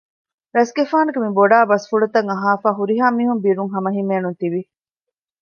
ރަސްގެފާނުގެ މިބޮޑާ ބަސްފުޅުތައް އަހާފައި ހުރިހާ މީހުން ބިރުން ހަމަހިމޭނުން ތިވި